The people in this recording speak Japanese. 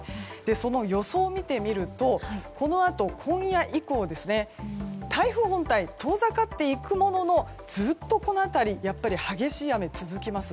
その予想を見てみるとこのあと今夜以降台風本体、遠ざかっていくもののずっとこの辺り激しい雨が続きます。